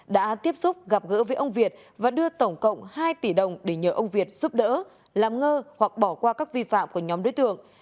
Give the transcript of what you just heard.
đã tiếp xúc gặp gỡ với ông việt và đưa tổng cộng hai tỷ đồng để nhờ ông việt giúp đỡ làm ngơ hoặc bỏ qua các vi phạm của nhóm đối tượng